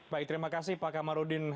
baik terima kasih pak kamarudin